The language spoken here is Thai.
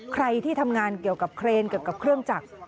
ใครที่ทำงานเกี่ยวกับเคลนและเครื่องจักร